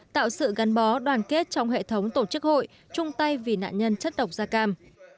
tạo sự gắn bó đoàn kết trong hệ thống tổ chức hội chung tay vì nạn nhân chất độc da cam